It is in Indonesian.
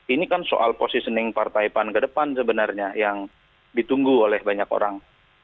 ini kan soal positioning partai pan ke depan sebenarnya yang ditunggu oleh banyak orang